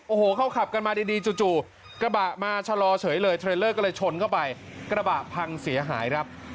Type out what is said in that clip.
โอ้โหเขาขับกันมาดีจู่กระบะมาชะลอเฉยเลยเทรลเลอร์ก็เลยชนเข้าไปกระบะพังเสียหายครับ